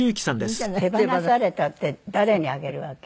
手放されたって誰にあげるわけ？